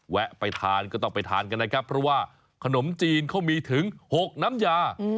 แวะไปทานก็ต้องไปทานกันนะครับเพราะว่าขนมจีนเขามีถึง๖น้ำยา